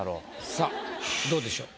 さあどうでしょう？